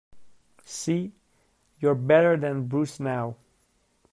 See! You’re better than Bruce now.